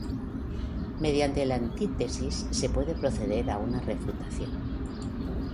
Mediante la antítesis se puede proceder a una refutación.